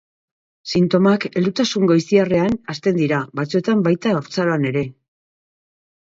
Sintomak heldutasun goiztiarrean hasten dira, batzuetan baita haurtzaroan ere.